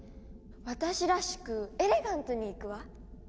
私らしくエレガントにいくわ！